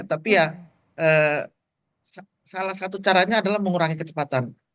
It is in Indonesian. tapi ya salah satu caranya adalah mengurangi kecepatan